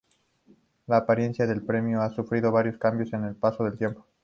La apariencia del premio ha sufrido varios cambios con el paso del tiempo.